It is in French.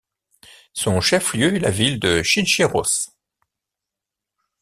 Son chef-lieu est la ville de Chincheros.